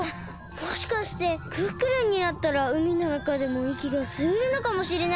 もしかしてクックルンになったらうみのなかでもいきがすえるのかもしれないです！